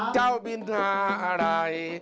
เจ้าบินหาอะไร